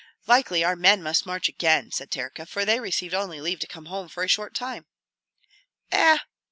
"Likely our men must march again," said Terka, "for they received only leave to come home for a short time." "Eh!"